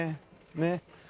ねっ。